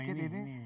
buah ini ini